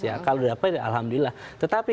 ya kalau dapat ya alhamdulillah tetapi